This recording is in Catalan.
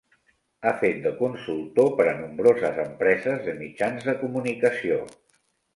Ha fet de consultor per a nombroses empreses de mitjans de comunicació.